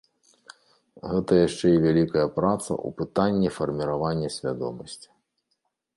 Гэта яшчэ і вялікая праца ў пытанні фарміравання свядомасці.